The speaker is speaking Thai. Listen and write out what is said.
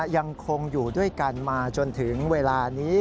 ยังคงอยู่ด้วยกันมาจนถึงเวลานี้